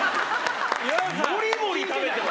モリモリ食べてる。